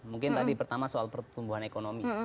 mungkin tadi pertama soal pertumbuhan ekonomi